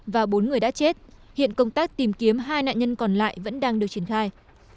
và bốn người đã chết hiện công tác tìm kiếm hai nạn nhân còn lại vẫn đang được triển khai